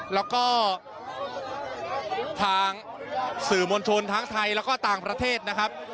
แล้วก็ทางสื่อมวลชนทั้งไทยแล้วก็ต่างประเทศนะครับ